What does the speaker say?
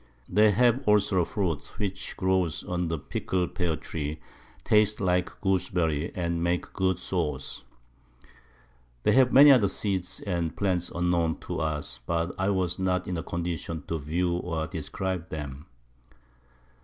They have also a Fruit which grows on the prickle Pear tree, tastes like Gooseberries, and makes good Sawce. They have many other Seeds and Plants unknown to us, but I was not in a condition to view or describe them.